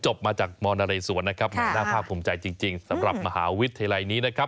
จบมาจากมนเรศวรนะครับน่าภาคภูมิใจจริงสำหรับมหาวิทยาลัยนี้นะครับ